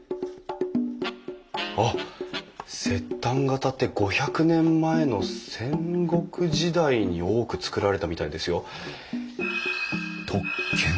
あっ摂丹型って５００年前の戦国時代に多く造られたみたいですよ。